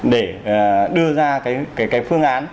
để đưa ra cái phương án